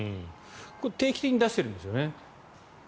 これ、定期的に出してるんですよね。